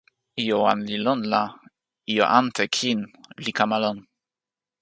ijo wan li lon la ijo ante kin li kama lon.